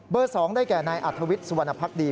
๒ได้แก่นายอัธวิทย์สุวรรณภักดี